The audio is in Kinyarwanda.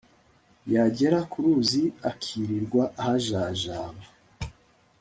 yagera ku ruzi akirirwa ahajajaba